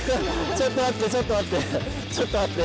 ちょっと待ってちょっと待ってちょっと待って。